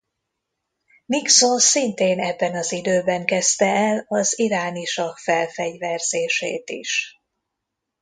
Nixon szintén ebben az időben kezdte el az iráni sah felfegyverzését is.